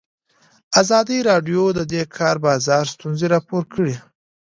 ازادي راډیو د د کار بازار ستونزې راپور کړي.